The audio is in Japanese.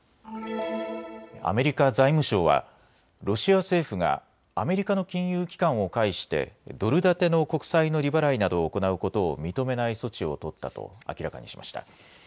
アメリカ財務省はロシア政府がアメリカの金融機関を介してドル建ての国債の利払いなどを行うことを認めない措置を取ったと明らかにしました。